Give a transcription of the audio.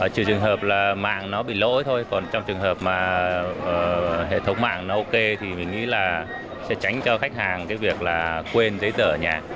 trừ trường hợp mạng nó bị lỗi thôi còn trong trường hợp hệ thống mạng nó ok thì mình nghĩ là sẽ tránh cho khách hàng việc quên giấy tờ nhà